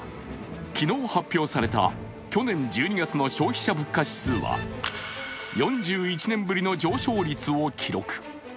昨日発表された去年１２月の消費者物価指数は４１年ぶりの上昇率を記録。